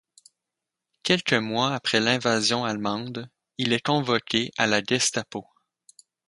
Quelques mois après l'invasion allemande, il est convoqué à la Gestapo.